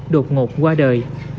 đột ngột qua đời